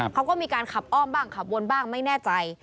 เขาก็มีการขับอ้อมบ้างขับวนบ้างไม่แน่ใจ